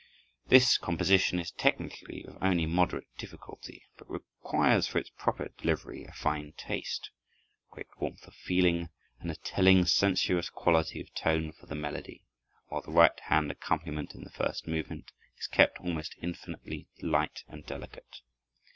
This composition is technically of only moderate difficulty, but requires for its proper delivery a fine taste, great warmth of feeling, and a telling, sensuous quality of tone for the melody, while the right hand accompaniment in the first movement is kept almost infinitely light and delicate.